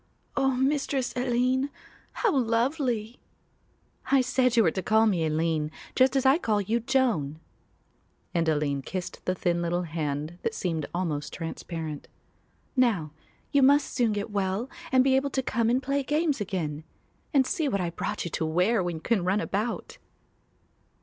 "Oh, Mistress Aline, how lovely!" "I said you were to call me Aline, just as I call you Joan," and Aline kissed the little thin hand that seemed almost transparent. "Now you must soon get well and be able to come and play games again; and see what I brought you to wear when you can run about."